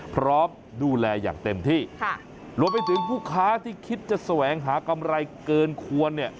พร้อมดูแลอย่างเต็มที่ค่ะรวมไปถึงผู้ค้าที่คิดจะแสวงหากำไรเกินควรเนี่ย